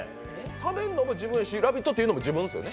タメんのも自分ですし「ラヴィット！」っていうのも自分ですよね？